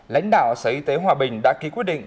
lãnh đạo sở y tế hòa bình đã ký quyết định